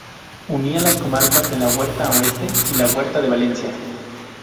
Unía las comarcas de la Huerta Oeste y La Huerta de Valencia.